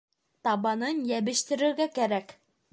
Табанын йәбештерергә кәрәк